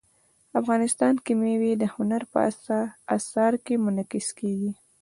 افغانستان کې مېوې د هنر په اثار کې منعکس کېږي.